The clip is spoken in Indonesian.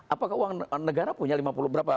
apakah uang negara punya lima puluh berapa